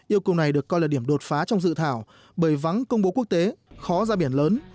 yêu cầu này được coi là điểm đột phá trong dự thảo bởi vắng công bố quốc tế khó ra biển lớn